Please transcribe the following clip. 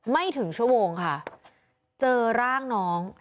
ไม่ถึงชั่วโมงค่ะเจอร่างน้อง